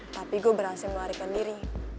tapi gue berhasil melarikan diri